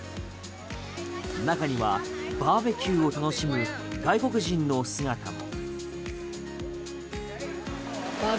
中にはバーベキューを楽しむ外国人の姿も。